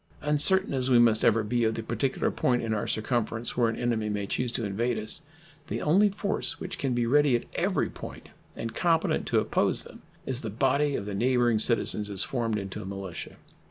Uncertain as we must ever be of the particular point in our circumference where an enemy may choose to invade us, the only force which can be ready at every point and competent to oppose them is the body of the neighboring citizens as formed into a militia.